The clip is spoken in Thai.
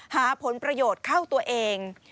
หาผลประโยชน์เข้าตัวเอง